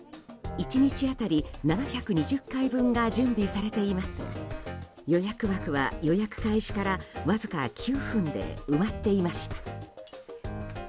１日当たり７２０回分が準備されていますが予約枠は予約開始からわずか９分で埋まっていました。